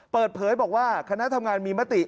เปิดเผยบอกว่าคณะทำงานมีมติ